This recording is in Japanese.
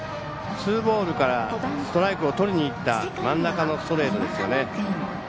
ツーボールからストライクをとりにいった真ん中のストレートですよね。